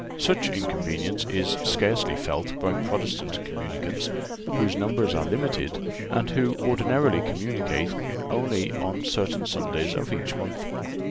Such inconvenience is scarcely felt by Protestant communicants, whose numbers are limited and who ordinarily communicate only on certain Sundays of each month.